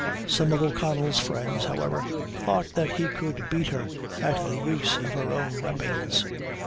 Some of O'Connell's friends, however, thought that he could beat her at the use of her own weapons.